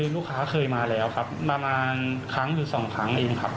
ลูกค้าเคยมาแล้วครับประมาณครั้งหรือสองครั้งเองครับ